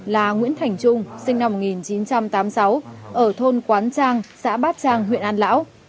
là nguyễn thành trung sinh năm một nghìn chín trăm tám mươi sáu ở thôn quán trang xã bát trang huyện an lão